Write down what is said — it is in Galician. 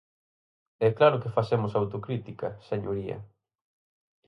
E claro que facemos autocrítica, señoría.